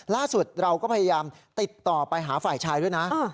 ล่าสุดเราก็พยายามติดต่อไปหาฝ่ายชายด้วยนะ